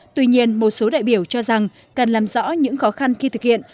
tuy nhiên một số đại biểu cho rằng cần làm rõ những khó khăn khi thực hiện